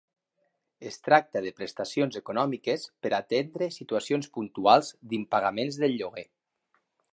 Es tracta de prestacions econòmiques per atendre situacions puntuals d'impagaments del lloguer.